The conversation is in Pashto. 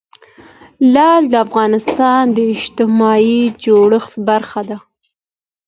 لعل د افغانستان د اجتماعي جوړښت برخه ده.